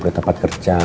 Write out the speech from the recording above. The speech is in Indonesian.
dari tempat kerja